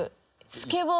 スケボー？